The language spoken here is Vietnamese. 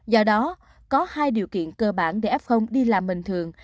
do đó có hai điều kiện cơ bản để f đi làm bình thường